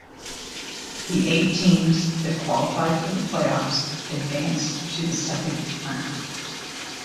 The eight teams that qualified for the playoffs advanced to the second round.